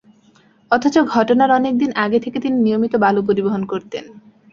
অথচ ঘটনার অনেক দিন আগে থেকে তিনি নিয়মিত বালু পরিবহন করতেন।